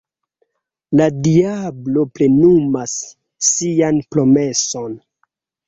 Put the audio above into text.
La diablo plenumas sian promeson.